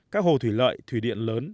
các hồ thủy lợi thủy điện lớn